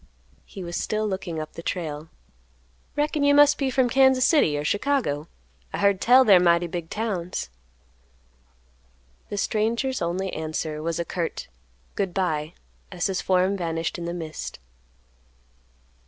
He was still looking up the trail. "Reckon you must be from Kansas City or Chicago? I heard tell they're mighty big towns." The stranger's only answer was a curt "Good by," as his form vanished in the mist.